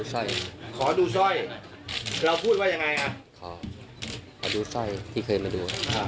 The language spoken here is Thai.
อ๋อให้กระดาษก็เติมขึ้นมา